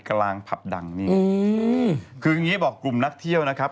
คืออย่างนี้บอกกลุ่มนักเที่ยวนะครับ